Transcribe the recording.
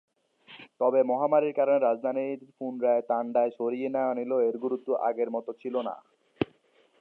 তবে মহামারীর কারণে রাজধানী পুনরায় তান্ডায় সরিয়ে নেয়া নিলেও এর গুরুত্ব আগের মত ছিল না।